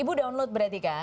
ibu download berarti kan